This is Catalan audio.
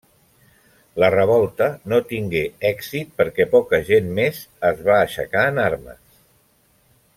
La revolta no tingué èxit perquè poca gent més es va aixecar en armes.